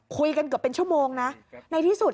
คุยกันเกือบเป็นชั่วโมงนะ